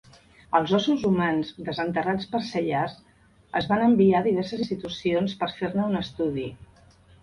Els ossos humans desenterrats per Sellards es van enviar a diverses institucions per fer-ne un estudi.